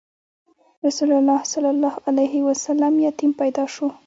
رسول الله ﷺ یتیم پیدا شو.